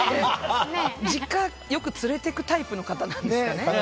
実家、よく連れていくタイプの方なんですかね。